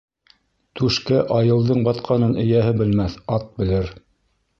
Түшкә айылдың батҡанын эйәһе белмәҫ, ат белер